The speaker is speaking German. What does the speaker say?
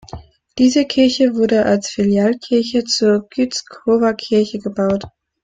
Diese Kirche wurde als Filialkirche zur Gützkower Kirche gebaut.